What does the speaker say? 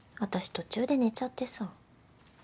途中で寝ちゃってさ